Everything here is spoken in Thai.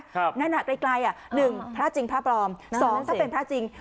นั่นอ่ะไกลไกลอ่ะหนึ่งพระจริงพระปลอมสองถ้าเป็นพระจริง